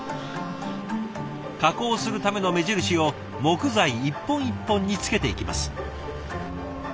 加工するための目印を木材一本一本につけていきます。